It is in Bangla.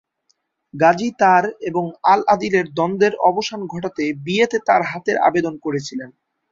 গাজী তার এবং আল-আদিলের দ্বন্দ্বের অবসান ঘটাতে বিয়েতে তার হাতের আবেদন করেছিলেন।